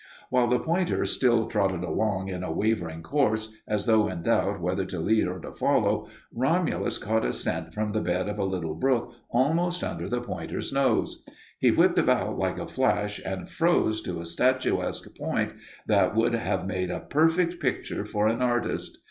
While the pointer still trotted along in a wavering course, as though in doubt whether to lead or to follow, Romulus caught a scent from the bed of a little brook almost under the pointer's nose. He whipped about like a flash and froze to a statuesque point that would have made a perfect picture for an artist.